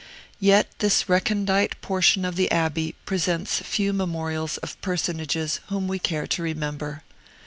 Yet this recondite portion of the Abbey presents few memorials of personages whom we care to remember.